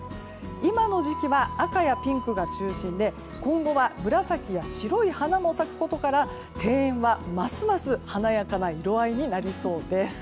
今の時期は赤やピンクが中心で今後は紫や白い花も咲くことから庭園はますます華やかな色合いになりそうです。